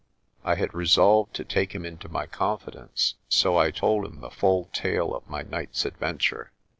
I had resolved to take him into my confidence, so I told him the full tale of my night's adventure.